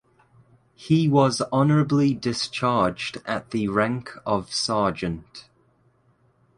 He was honorably discharged at the rank of Sergeant.